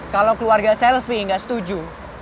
kalau keluarga selfie nggak setuju